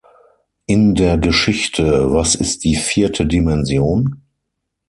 In der Geschichte "Was ist die vierte Dimension?